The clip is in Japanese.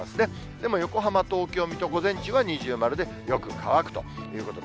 でも横浜、東京、水戸、午前中は二重丸でよく乾くということで、